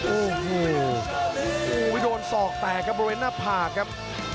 โอ้โหโดนศอกแตกครับบริเวณหน้าผากครับ